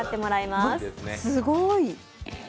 すごーい。